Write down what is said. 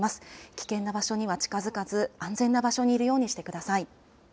危険な場所には近づかず、安全な場所にいるようにしてください。